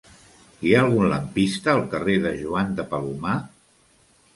Hi ha algun lampista al carrer de Joan de Palomar?